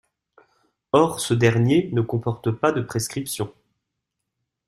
Or ce dernier ne comporte pas de prescriptions.